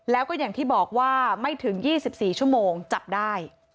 แล้วก็อย่างที่บอกว่าไม่ถึง๒๔ชั่วโมงจับได้